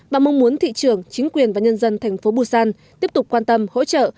và mong muốn thị trường chính quyền và nhân dân thành phố busan tiếp tục quan tâm hỗ trợ